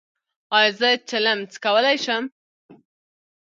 ایا زه چلم څکولی شم؟